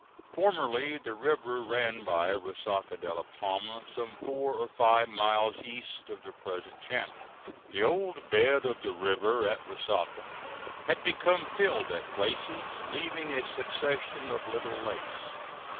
Formerly the river ran by Resaca de la Palma, some four or five miles east of the present channel. The old bed of the river at Resaca had become filled at places, leaving a succession of little lakes.